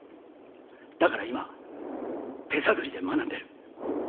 だから今手探りで学んでる。